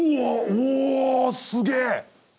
おすげえ！